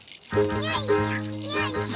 よいしょ。